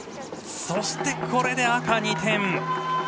そしてこれで赤、２点。